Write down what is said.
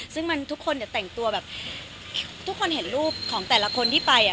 ซึ่งมันทุกคนแต่งตัวแบบทุกคนเห็นรูปของแต่ละคนที่ไป